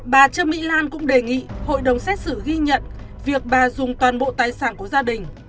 bà trương mỹ lan cũng đề nghị hội đồng xét xử ghi nhận việc bà dùng toàn bộ tài sản của gia đình